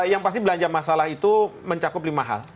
yang pasti belanja masalah itu mencakup lima hal